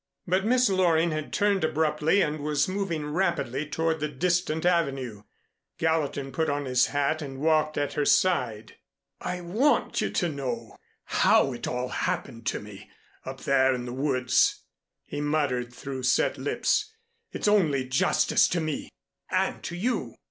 But Miss Loring had turned abruptly and was moving rapidly toward the distant Avenue. Gallatin put on his hat and walked at her side. "I want you to know how it all happened to me up there in the woods," he muttered, through set lips. "It's only justice to me and to you."